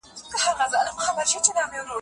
شېبه